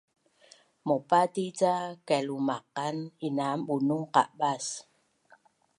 Maupati ca kailumaqan inam Bunun qabas